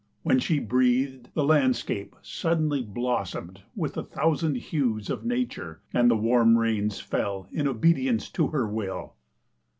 When she breathed the landscape suddenly blossomed with the thousand hues of nature and the warm rains fell in obedience to her will.